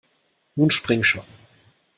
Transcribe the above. Nun spring schon!